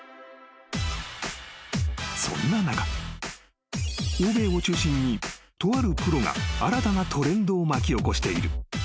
［そんな中欧米を中心にとあるプロが新たなトレンドを巻き起こしている］